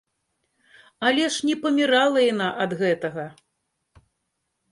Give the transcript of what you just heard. Але ж не памірала яна ад гэтага!